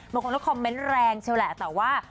คอมเม้งคอมเม้นต์แรงเชียวแหละแต่ว่า